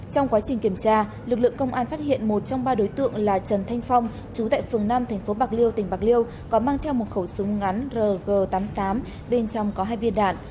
trong quá trình kiểm tra lực lượng công an phát hiện một trong ba đối tượng là trần thanh phong chú tại phường năm tp bạc liêu tỉnh bạc liêu có mang theo một khẩu súng ngắn rg tám mươi tám bên trong có hai viên đạn